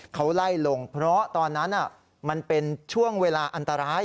เขาไล่ลงเพราะตอนนั้นมันเป็นช่วงเวลาอันตราย